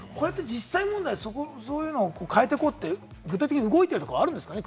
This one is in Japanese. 実際問題、そういうのを変えていこうって具体的に動いているところがあるんですかね？